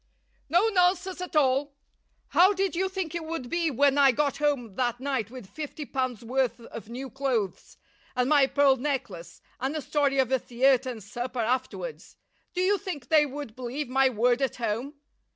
"No nonsense at all. How did you think it would be when I got home that night with fifty pounds' worth of new clothes, and my pearl necklace, and a story of a theatre and supper afterwards? Do you think they would believe my word at home?